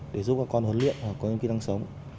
để giúp các con huấn luyện và có những kỹ năng sống